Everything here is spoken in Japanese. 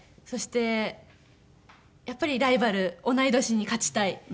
そしてやっぱりライバル同い年に勝ちたい。